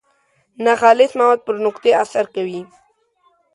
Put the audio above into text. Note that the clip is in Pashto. ناخالص مواد پر نقطې اثر کوي.